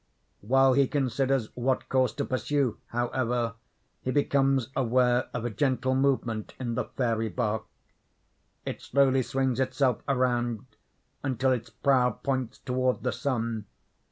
While he considers what course to pursue, however, he becomes aware of a gentle movement in the fairy bark. It slowly swings itself around until its prow points toward the sun.